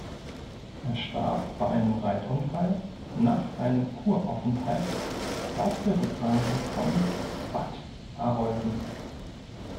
Er starb bei einem Reitunfall nach einem Kuraufenthalt auf der Rückreise von Bad Arolsen.